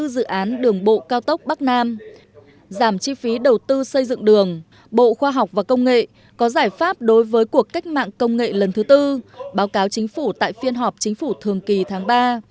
giảm chi phí đầu tư xây dựng đường bộ khoa học và công nghệ có giải pháp đối với cuộc cách mạng công nghệ lần thứ tư báo cáo chính phủ tại phiên họp chính phủ thường kỳ tháng ba